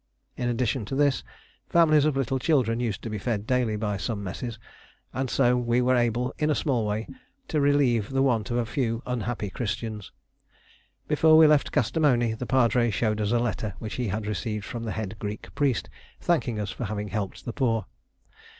In addition to this, families of little children used to be fed daily by some messes, and so we were able, in a small way, to relieve the want of a few unhappy Christians. Before we left Kastamoni, the Padre showed us a letter which he had received from the head Greek priest, thanking us for having helped the poor.